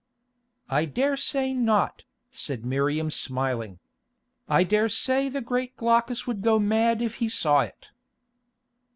"I daresay not," said Miriam smiling. "I daresay the great Glaucus would go mad if he saw it."